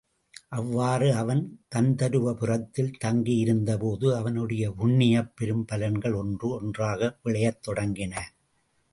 அவ்வாறு அவன் கந்தருவபுரத்தில் தங்கியிருந்தபோது அவனுடைய புண்ணியப் பெரும்பலன்கள் ஒன்று ஒன்றாக விளையத் தொடங்கின.